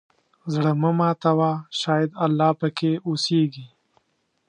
زړه مه ماتوه، شاید الله پکې اوسېږي.